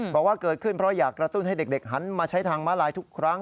บอกว่าเกิดขึ้นเพราะอยากกระตุ้นให้เด็กหันมาใช้ทางมาลายทุกครั้ง